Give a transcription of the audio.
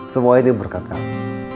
semua ini berkat kamu